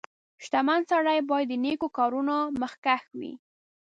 • شتمن سړی باید د نیکو کارونو مخکښ وي.